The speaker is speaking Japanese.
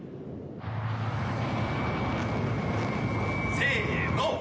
せの！